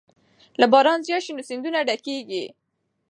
که باران زیات شي نو سیندونه ډکېږي.